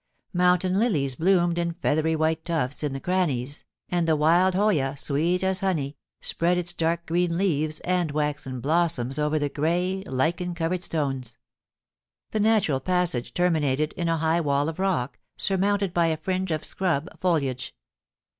Mountain lilies bloomed in feathery white tufts in the crannies, and the wild hoya, sweet as honey, spread its dark green leaves and waxen blossoms over the grey, lichen covered stones. The natural passage terminated in a high wall of rock, surmounted by a fringe of, scrub foliage.